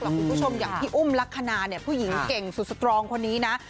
คุณผู้ชมอย่างพี่อุ้มลักษณะเนี่ยผู้หญิงเก่งสุดสตรองคนนี้นะ